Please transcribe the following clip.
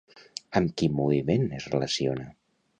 Amb quin moviment es relaciona?